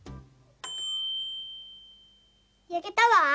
やけたわ！